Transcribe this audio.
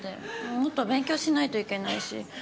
もっと勉強しないといけないし。